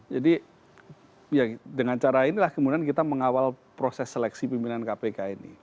jadi ya dengan cara inilah kemudian kita mengawal proses seleksi pimpinan kpk ini